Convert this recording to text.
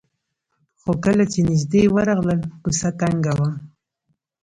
خو کله چې نژدې ورغلل کوڅه تنګه وه.